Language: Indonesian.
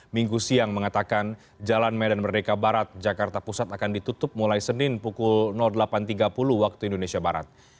minggu siang mengatakan jalan medan merdeka barat jakarta pusat akan ditutup mulai senin pukul delapan tiga puluh waktu indonesia barat